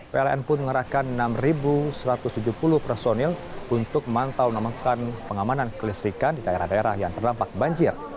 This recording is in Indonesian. pln pun mengerahkan enam satu ratus tujuh puluh personil untuk memantau namun pengamanan kelistrikan di daerah daerah yang terdampak banjir